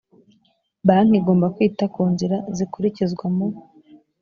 banki igomba kwita ku nzira zikurikizwa mu